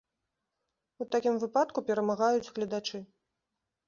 У такім выпадку перамагаюць гледачы.